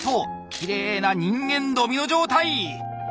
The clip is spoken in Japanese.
きれいな人間ドミノ状態！